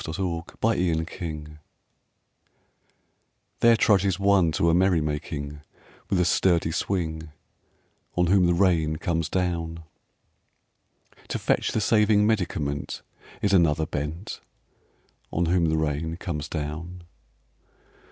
AN AUTUMN RAIN SCENE THERE trudges one to a merry making With a sturdy swing, On whom the rain comes down. To fetch the saving medicament Is another bent, On whom the rain comes down.